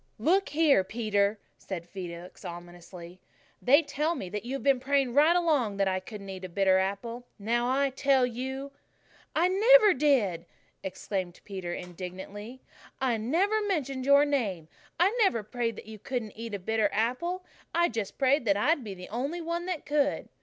"Look here, Peter," said Felix ominously, "they tell me that you've been praying right along that I couldn't eat a bitter apple. Now, I tell you " "I never did!" exclaimed Peter indignantly. "I never mentioned your name. I never prayed that you couldn't eat a bitter apple. I just prayed that I'd be the only one that could."